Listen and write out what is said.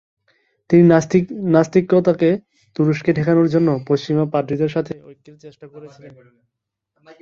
তিনি নাস্তিক্যতাকে তুরস্কে ঠেকানোর জন্য পশ্চিমা পাদ্রিদের সাথে ঐক্যের চেষ্টা করেছিলেন।